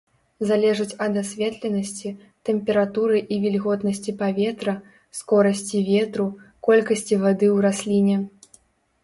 Залежыць ад асветленасці, тэмпературы і вільготнасці паветра, скорасці ветру, колькасці вады ў расліне.